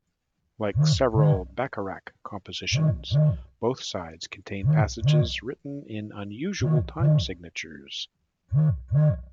Like several Bacharach compositions, both sides contain passages written in unusual time signatures.